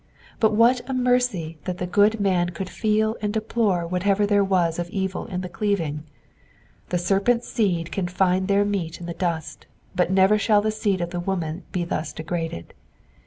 But what a mercy that the good man could feel and deplore whatever there was of evil in the cleaving ! The serpent's seed can find their meat in the dust, but never shall the seed of the woman be thus degraded.